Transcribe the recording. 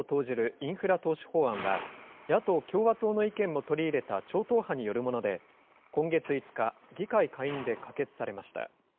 インフラ投資法案は、野党・共和党の意見も取り入れた超党派によるもので、今月５日、議会下院で可決されました。